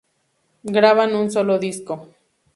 Graban un solo disco.